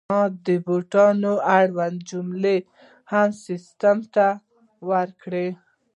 ما د بوټو اړوند جملې هم سیستم ته ورکړې.